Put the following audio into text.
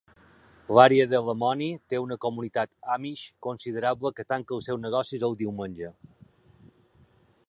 L'àrea de Lamoni té una comunitat Amish considerable que tanca els seus negocis el diumenge.